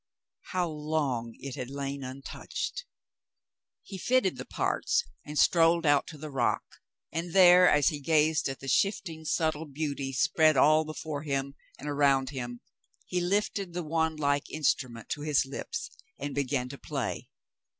How long it had lain untouched ! He fitted the parts and strolled out to the rock, and there, as he gazed at the shifting, subtle beauty spread all before him and around him, he lifted the wandlike instrument to his lips and began to play.